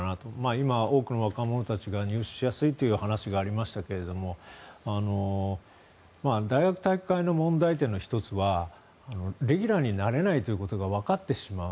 今、多くの若者たちが入手しやすいという話がありましたが大学体育会の問題点の１つはレギュラーになれないということがわかってしまう。